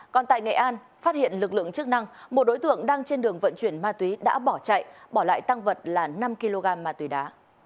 còn tại nghệ an phát hiện lực lượng chức năng một đối tượng đang trên đường vận chuyển ma túy đã bỏ chạy bỏ lại tăng vật là năm kg ma túy đá